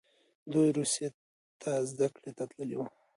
دوی روسیې ته زده کړې ته تللي وو.